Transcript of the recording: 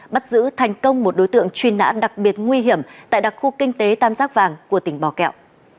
bắt giữ thành công một đối tượng truy nã đặc biệt nguy hiểm tại đặc khu kinh tế tam giác vàng của tỉnh bò kẹo